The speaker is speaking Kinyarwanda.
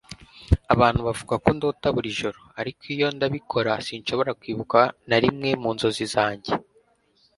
abantu bavuga ko ndota buri joro, ariko iyo ndabikora, sinshobora kwibuka na rimwe mu nzozi zanjye